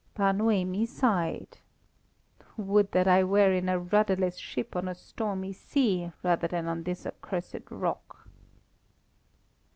Bar Noemi sighed. "Would that I were in a rudderless ship on a stormy sea rather than on this accursed rock."